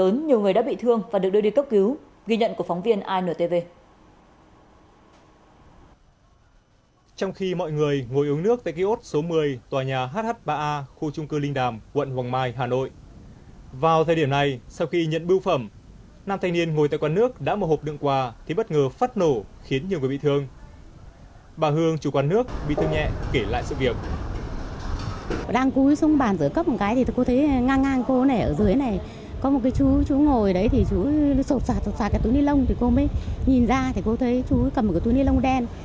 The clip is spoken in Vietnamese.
chú ngồi đấy thì chú sột xoạt sột xoạt cái túi ni lông thì cô mới nhìn ra thì cô thấy chú cầm một cái túi ni lông đen